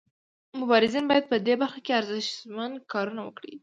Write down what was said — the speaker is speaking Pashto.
مبارزین باید په دې برخه کې ارزښتمن کارونه وکړي.